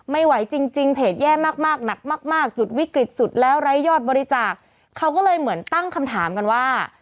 ไม่ไหวจริงจริงเพจแย่มากมากหนักมากจุดวิกฤตสุดแล้วไร้ยอดบริจาคเขาก็เลยเหมือนตั้งคำถามกันว่า